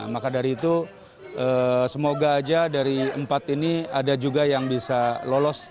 maka dari itu semoga aja dari empat ini ada juga yang bisa lolos